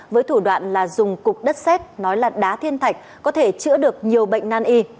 với thủ đoạn là dùng cục đất xét nói là đá thiên thạch có thể chữa được nhiều bệnh nan y